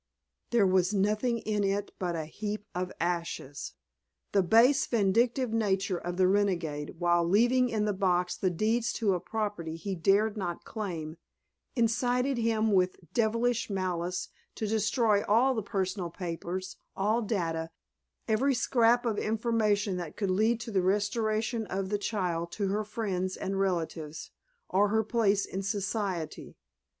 There was nothing in it but a heap of ashes. The base, vindictive nature of the renegade, while leaving in the box the deeds to a property he dared not claim, incited him with devilish malice to destroy all the personal papers, all data, every scrap of information that could lead to the restoration of the child to her friends and relatives, or her place in society.